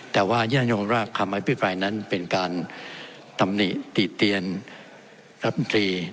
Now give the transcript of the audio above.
แต่ว่าย่างย่องรากคำวิปรายนั้นเป็นการธรรมนิติเตียนรับมือดี